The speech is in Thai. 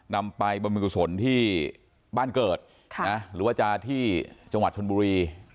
นำไปบรรพิกุศลที่บ้านเกิดหรือว่าจะที่จังหวัดชนบุรี